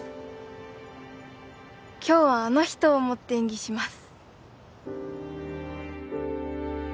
今日はあの人を思って演技します